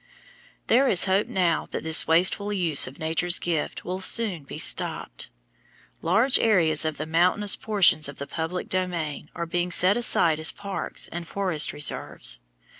There is hope now that this wasteful use of Nature's gifts will soon be stopped. Large areas of the mountainous portions of the public domain are being set aside as parks and forest reserves.